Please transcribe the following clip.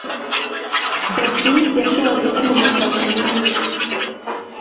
David yashoboraga kumpa amafaranga menshi